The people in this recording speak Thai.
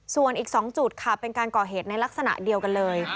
ส่วนอีก๒จุดค่ะเป็นการก่อเหตุในลักษณะเดียวกันเลย